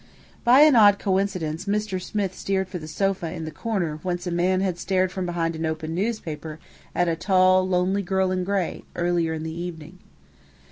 By an odd coincidence, Mr. Smith steered for the sofa in the corner whence a man had stared from behind an open newspaper at a tall, lonely girl in gray, earlier in the evening.